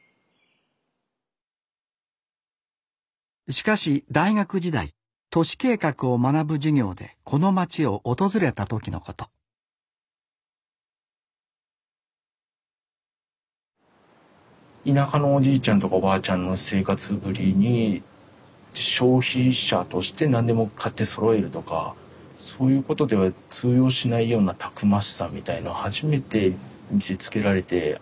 しかし大学時代都市計画を学ぶ授業でこの町を訪れた時のこと田舎のおじいちゃんとかおばあちゃんの生活ぶりに消費者として何でも買ってそろえるとかそういうことでは通用しないようなたくましさみたいのを初めて見せつけられて。